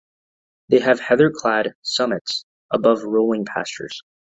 They have heather-clad summits above rolling pastures.